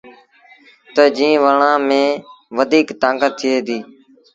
تا جين وڻآݩ ميݩ وڌيٚڪ تآݩڪت ٿئي ديٚ۔